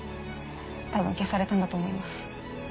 多分消されたんだと思います。